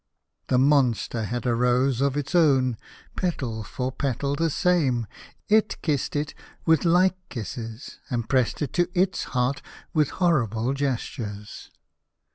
The monster had a rose of its own, petal for petal the same! It kissed it with like kisses, and pressed it to its heart with horrible gestures.